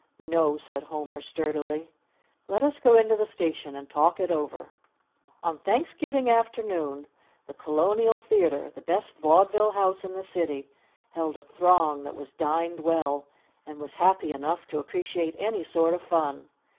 "No!" said Homer sturdily. "Let us go into the station and talk it over." On Thanksgiving afternoon the Colonial Theater, the best vaudeville house in the city, held a throng that was dined well, and was happy enough to appreciate any sort of fun.